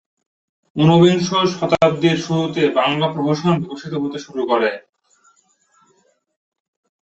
উনবিংশ শতাব্দীর শুরুতে বাংলা প্রহসন বিকশিত হতে শুরু করে।